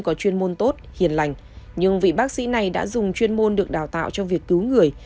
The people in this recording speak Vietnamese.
có chuyên môn tốt hiền lành nhưng vị bác sĩ này đã dùng chuyên môn được đào tạo cho việc cứu người